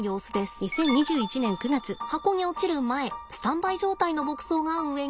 箱に落ちる前スタンバイ状態の牧草が上にあります。